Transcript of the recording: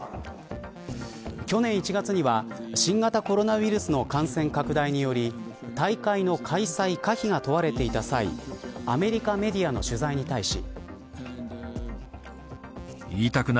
去年１月には新型コロナウイルスの感染拡大により大会の開催可否が問われていた際アメリカメディアの取材に対し。